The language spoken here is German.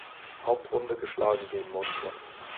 Hauptrunde geschlagen geben musste.